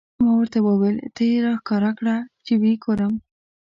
ما ورته وویل: ته یې را ښکاره کړه، چې و یې ګورم.